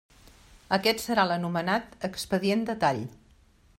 Aquest serà l'anomenat expedient de tall.